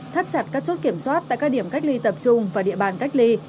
thắt chặt các chốt kiểm soát tại các điểm cách ly tập trung và địa bàn cách ly